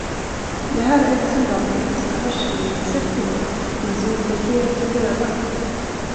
Det här är också bra för de som har hörselnedsättningar, men som inte är helt döva.